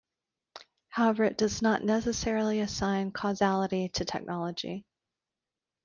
However it does not necessarily assign causality to technology.